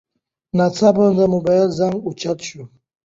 ناڅاپه د موبایل زنګ اوچت شو.